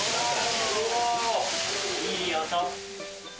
いい音。